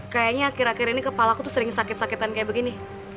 kayaknya akhir akhir ini kepala aku tuh sering sakit sakitan kayak begini